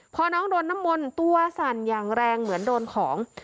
พอน้องโดนน้ำมนต์ตัวสั่นอย่างแรงเหมือนโดนของ